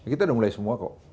kita udah mulai semua kok